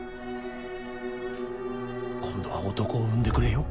今度は男を産んでくれよ。